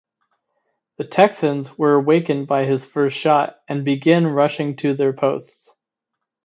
The Texans are awakened by his first shot and begin rushing to their posts.